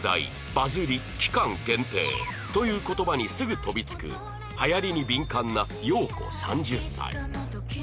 「バズり」「期間限定」という言葉にすぐ飛びつく流行りに敏感な洋子３０歳